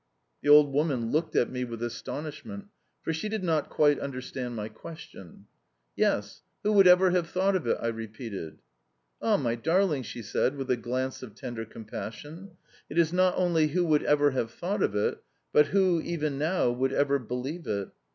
The old woman looked at me with astonishment, for she did not quite understand my question. "Yes, who would ever have thought of it?" I repeated. "Ah, my darling," she said with a glance of tender compassion, "it is not only 'Who would ever have thought of it?' but 'Who, even now, would ever believe it?